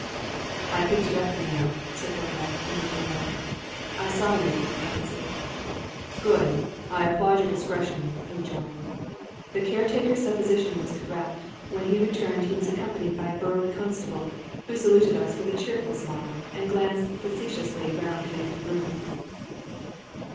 "I picked it up, you know," said Thorndyke, when we were alone. "I saw you," I answered. "Good; I applaud your discretion," he rejoined. The caretaker's supposition was correct. When he returned, he was accompanied by a burly constable, who saluted us with a cheerful smile and glanced facetiously round the empty room.